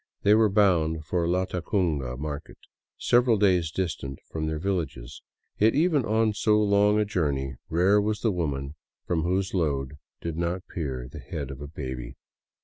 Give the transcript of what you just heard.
They were bound for Latacunga market, several days distant from their villages; yet even on so long a journey, rare was the woman from whose load did not peer the head of a baby.